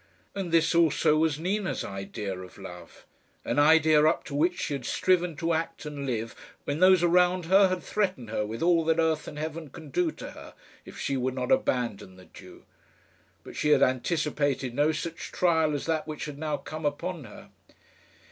And this also was Nina's idea of love an idea up to which she had striven to act and live when those around her had threatened her with all that earth and heaven could do to her if she would not abandon the Jew. But she had anticipated no such trial as that which had now come upon her.